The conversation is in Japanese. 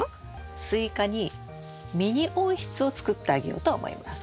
スイカにミニ温室を作ってあげようと思います。